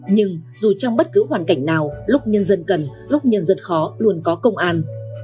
nhưng dù trong bất cứ hoàn cảnh nào lúc nhân dân cần lúc nhân dân khó luôn có công an